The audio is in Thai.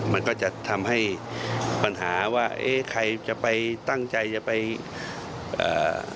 มันก็จะทำให้ปัญหาว่าเอ๊ะใครจะไปตั้งใจจะไปเอ่อ